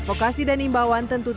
advokasi dan imbauan tentu